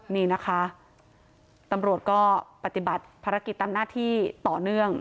นี่นะคะตำรวจก็ปฏิบัติภารกิจตามหน้าที่ต่อเนื่อง